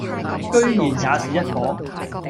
居然也是一夥；